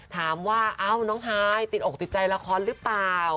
ถามว่าเอ้าน้องฮายติดอกติดใจละครหรือเปล่า